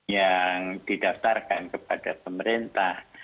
yang didaftarkan kepada pemerintah